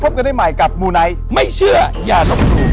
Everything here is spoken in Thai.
กันได้ใหม่กับมูไนท์ไม่เชื่ออย่าลบหลู่